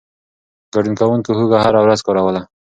ګډون کوونکو هوږه هره ورځ کاروله.